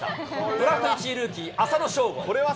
ドラフト１位ルーキー、浅野翔吾。